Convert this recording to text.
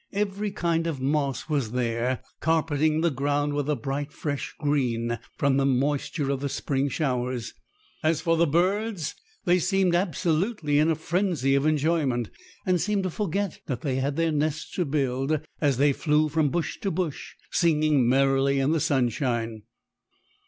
Every kind of moss was there carpeting the ground with a bright fresh green from the moisture of the spring showers. As for the birds, they seemed absolutely in a frenzy of enjoyment, and seemed to forget that they had their nests to build as they flew from bush to bush, singing merrily in the sunshine.